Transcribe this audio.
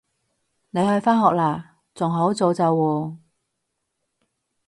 你去返學喇？仲好早咋喎